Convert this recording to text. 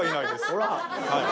ほら。